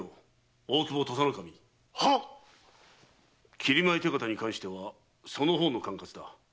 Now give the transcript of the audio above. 切米手形にかんしてはその方の管轄だ。